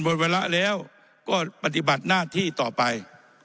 หมดเวลาแล้วก็ปฏิบัติหน้าที่ต่อไป